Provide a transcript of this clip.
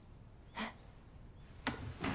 えっ？